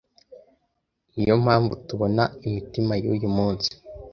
niyo mpamvu tubona imitima yuyu munsi